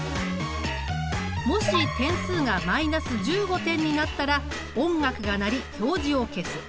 もし点数がマイナス１５点になったら音楽が鳴り表示を消す。